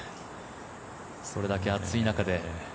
それだけ暑い中で。